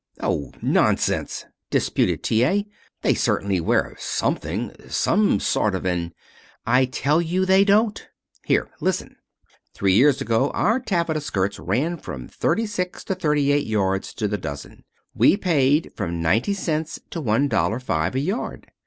"Oh, nonsense!" disputed T. A. "They certainly wear something some sort of an " "I tell you they don't. Here. Listen. Three years ago our taffeta skirts ran from thirty six to thirty eight yards to the dozen. We paid from ninety cents to one dollar five a yard.